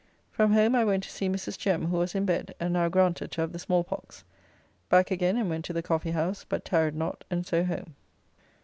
From home I went to see Mrs. Jem, who was in bed, and now granted to have the small pox. Back again, and went to the Coffee house, but tarried not, and so home.